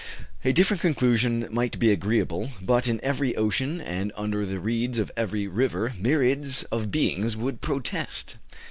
A different conclusion might be agreeable, but in every ocean and under the reeds of every river, myriads of beings would protest."